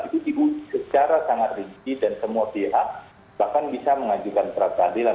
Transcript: itu secara sangat rinci dan semua pihak bahkan bisa mengajukan peradilan